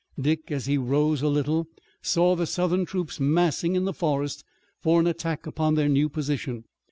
Dick, as he rose a little, saw the Southern troops massing in the forest for an attack upon their new position.